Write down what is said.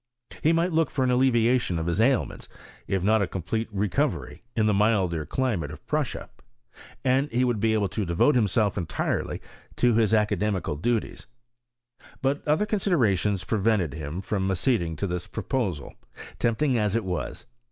He might look for aa alleviation of his ailments, if not a complete reco very, in the milder climate of Prussia, and he would be able to devote himself entirely to his academical duties; but other considerations prevented him from acceding to this proposal, tempting as it was.